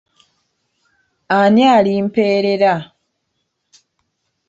Ani alimperera?